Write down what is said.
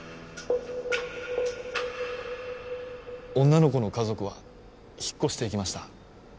女の子の家族は引っ越していきました。